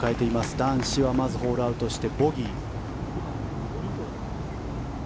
男子はまずホールアウトしてボギー。